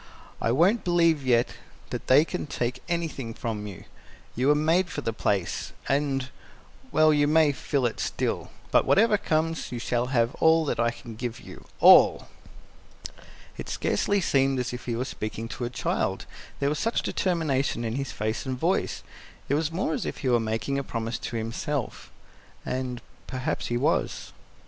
"I won't believe yet that they can take anything from you. You were made for the place, and well, you may fill it still. But whatever comes, you shall have all that I can give you all!" It scarcely seemed as if he were speaking to a child, there was such determination in his face and voice; it was more as if he were making a promise to himself and perhaps he was.